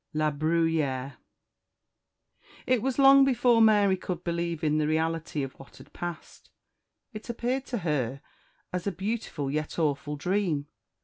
LA BRUYERE IT was long before Mary could believe in the reality of what had passed. It appeared to her as a beautiful yet awful dream.